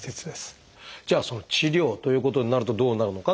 じゃあその治療ということになるとどうなるのかっていうことですが。